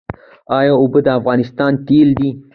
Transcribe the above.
آیا اوبه د افغانستان تیل دي؟